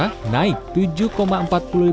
yang telah mencari penyelenggaraan